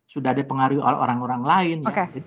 sudah dipengaruhi oleh orang orang lain